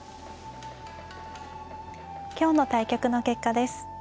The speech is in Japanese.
今日の対局の結果です。